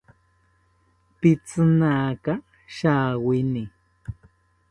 Pitzinaka shawini